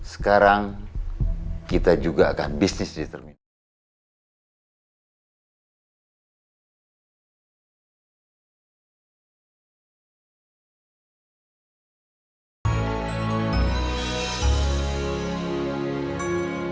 sekarang kita juga akan bisnis di terminal